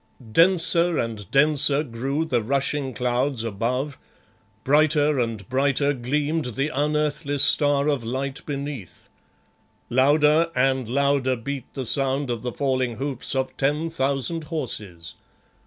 Denser and denser grew the rushing clouds above; brighter and brighter gleamed the unearthly star of light beneath. Louder and louder beat the sound of the falling hoofs of ten thousand horses.